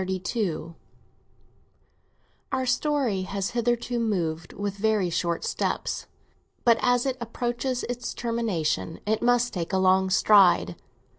XXXII OUR story has hitherto moved with very short steps, but as it approaches its termination it must take a long stride.